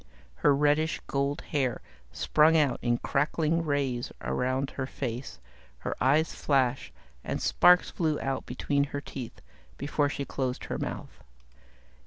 Her reddish gold hair sprang out in crackling rays around her face, her eyes flashed and sparks flew out between her teeth before she closed her mouth.